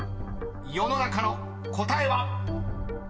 ［世の中の答えは⁉］